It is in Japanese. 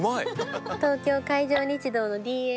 東京海上日動のＤＡＰ